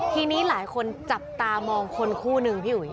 ทีนี้หลายคนจับตามองคนคู่นึงพี่อุ๋ย